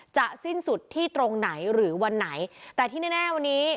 สิ้นสุดที่ตรงไหนหรือวันไหนแต่ที่แน่แน่วันนี้